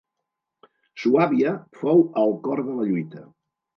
Suàbia fou al cor de la lluita.